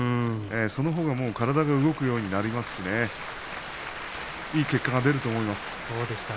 そのほうが体が動くようになりますしねいい結果が出ると思います。